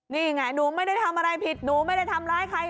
นี่ไงหนูไม่ได้ทำอะไรผิดหนูไม่ได้ทำร้ายใคร